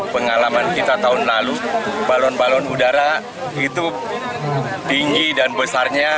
pengalaman kita tahun lalu balon balon udara itu tinggi dan besarnya